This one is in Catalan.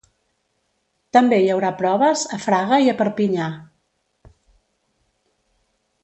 També hi haurà proves a Fraga i a Perpinyà.